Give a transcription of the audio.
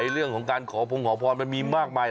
เรื่องของการขอพงขอพรมันมีมากมาย